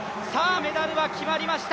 メダルは決まりました。